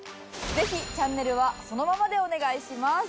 ぜひチャンネルはそのままでお願いします！